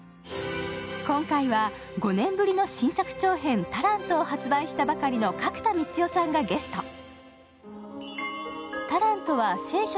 今回は５年ぶりの新作長編「タラント」を発売したばかりの角田光代さんがゲスト。